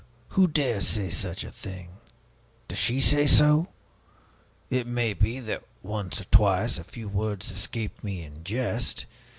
Who dares say such a thing? Does she say so? It may be that once or twice a few words escaped me in jest.